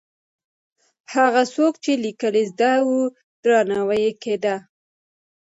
هغه څوک چې لیکل یې زده وو، درناوی یې کېده.